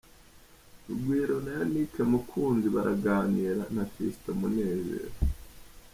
Rugwiro na Yannick Mukunzi baraganira na Fiston Munezero.